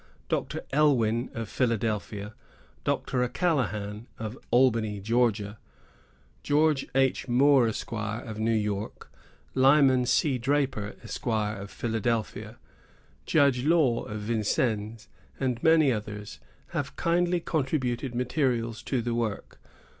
Dr. Elwyn, of Philadelphia, Dr. O'Callaghan, of Albany, George H. Moore, Esq., of New York, Lyman C. Draper, Esq., of Philadelphia, Judge Law, of Vincennes, and many others, have kindly contributed materials to the work.